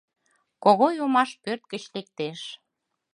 — Когой омаш пӧрт гыч лектеш.